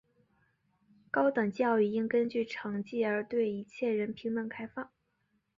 高等教育应根据成绩而对一切人平等开放。